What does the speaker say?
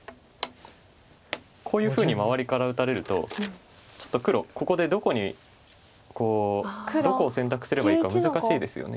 こういうふうに周りから打たれるとちょっと黒ここでどこにどこを選択すればいいか難しいですよね。